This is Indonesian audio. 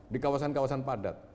di kawasan kawasan padat